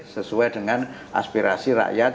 sesuai dengan aspirasi rakyat